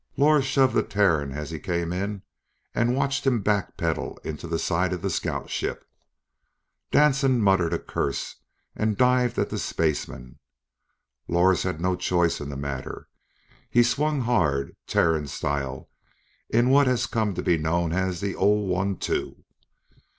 Lors shoved the Terran as he came in and watched him backpedal into the side of the scout ship. Danson muttered a curse and dived at the spaceman. Lors had no choice in the matter. He swung hard, Terran style, in what had come to be known as the "ole one two."